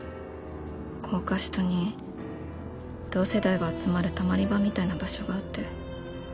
高架下に同世代が集まるたまり場みたいな場所があって。